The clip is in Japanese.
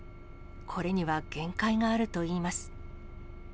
これには限界があるといいます。